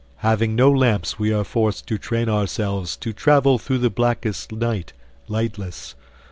Having no lamps we are forced to train ourselves to travel through the blackest night, lightless.